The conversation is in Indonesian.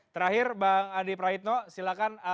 terakhir bang adi praitno silahkan